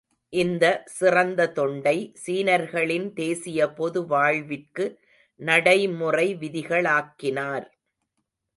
இந்த சிறந்த தொண்டை சீனர்களின் தேசிய பொது வாழ்விற்கு நடைமுறை விதிகளாக்கினார்.